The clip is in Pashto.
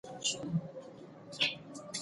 کړکۍ خلاصه پاتې وه.